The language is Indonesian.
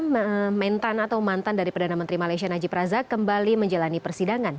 mantan mentan atau mantan dari perdana menteri malaysia najib razak kembali menjalani persidangan